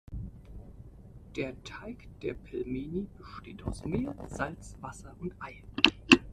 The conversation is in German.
Der Teig der Pelmeni besteht aus Mehl, Salz, Wasser und Ei.